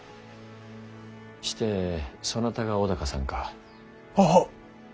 してそなたが尾高さんか。ははっ。